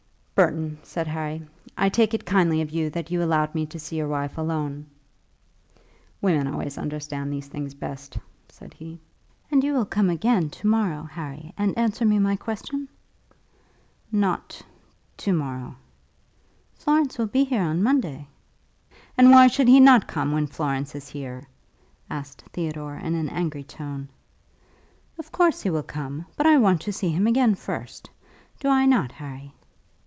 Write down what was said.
"Burton," said Harry, "I take it kindly of you that you allowed me to see your wife alone." "Women always understand these things best," said he. "And you will come again to morrow, Harry, and answer me my question?" "Not to morrow." "Florence will be here on Monday." "And why should he not come when Florence is here?" asked Theodore, in an angry tone. "Of course he will come, but I want to see him again first. Do I not, Harry?"